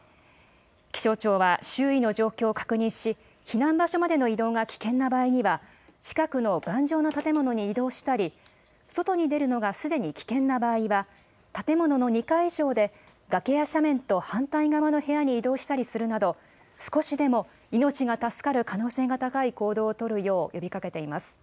気象庁は、周囲の状況を確認し、避難場所までの移動が危険な場合には、近くの頑丈な建物に移動したり、外に出るのがすでに危険な場合は、建物の２階以上で崖や斜面と反対側の部屋に移動したりするなど、少しでも命が助かる可能性が高い行動を取るよう呼びかけています。